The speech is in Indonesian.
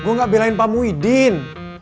gue gak belain pak muhyiddin